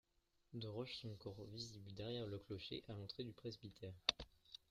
Deux roches sont encore visibles derrière le clocher, à l'entrée du presbytère.